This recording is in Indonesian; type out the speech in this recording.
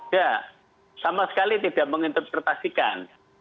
ya sama sekali tidak menginterpretasikan